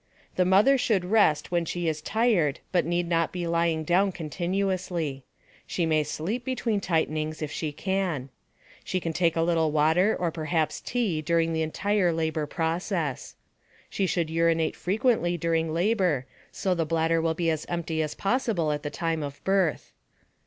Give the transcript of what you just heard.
The mother should rest when she is tired but need not be lying down continuously. She may sleep between tightenings if she can. She can take a little water or perhaps tea during the entire labor process. She should urinate frequently during labor so the bladder will be as empty as possible at the time of birth.